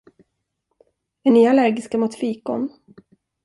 Är ni allergiska mot fikon?